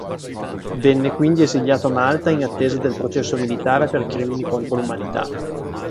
Venne quindi esiliato a Malta in attesa del processo militare per crimini contro l'umanità.